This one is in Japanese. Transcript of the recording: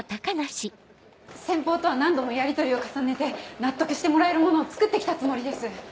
先方とは何度もやりとりを重ねて納得してもらえるものを作ってきたつもりです。